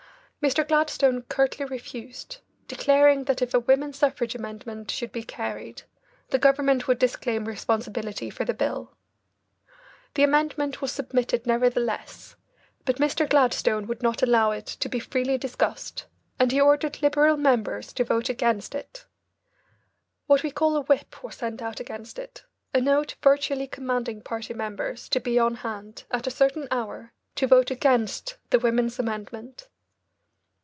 Mr. Gladstone curtly refused, declaring that if a women's suffrage amendment should be carried, the Government would disclaim responsibility for the bill. The amendment was submitted nevertheless, but Mr. Gladstone would not allow it to be freely discussed, and he ordered Liberal members to vote against it. What we call a whip was sent out against it, a note virtually commanding party members to be on hand at a certain hour to vote against the women's amendment.